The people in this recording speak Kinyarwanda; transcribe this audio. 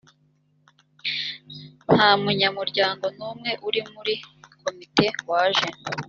nta munyamuryango n’umwe uri muri komite waje